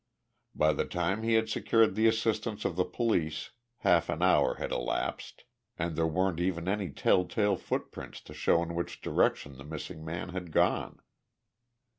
By the time he had secured the assistance of the police half an hour had elapsed, and there weren't even any telltale footprints to show in which direction the missing man had gone.